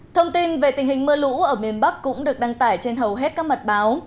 thông tin về tình hình mưa lũ ở miền bắc cũng được đăng tải trên hầu hết các mặt báo